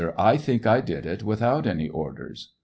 I think I did it without any orders.